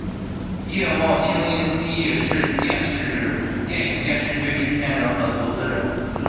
叶茂菁亦是电影电视剧制片人和投资人。